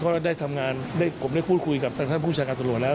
ก็ได้ทำงานผมได้พูดคุยกับท่านผู้จัดการตลวนแล้ว